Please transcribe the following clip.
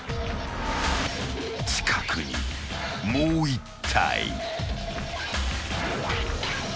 ［近くにもう１体］